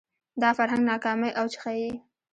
دا فرهنګ ناکامۍ اوج ښيي